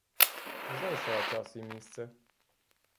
Знайшла час і місце!